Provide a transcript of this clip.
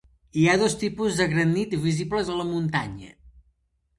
Hi ha dos tipus de granit visibles a la muntanya.